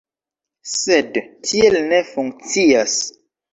Sed tiel ne funkcias.